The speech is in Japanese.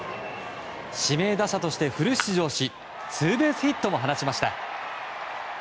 指名打者としてフル出場しツーベースヒットを放ちました。